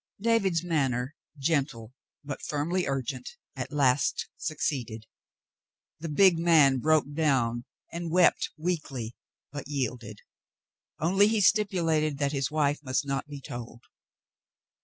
David's manner, gentle, but firmly urgent, at last succeeded. The big man broke down and wept weakly, but yielded; only he stipulated that his wife must not be told.